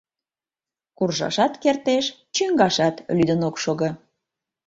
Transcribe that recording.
Куржашат кертеш, чӱҥгашат — лӱдын ок шого.